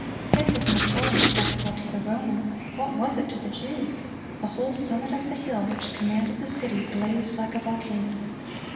"It was an appalling spectacle to the Roman—what was it to the Jew? The whole summit of the hill which commanded the city, blazed like a volcano.